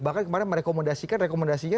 bahkan kemarin merekomendasikan rekomendasikan